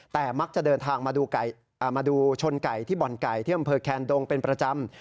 แต่มักจะเดินทางมาดูชนไก่ที่บ่อนไก่ที่อำเภอแคนดงเป็นประจำ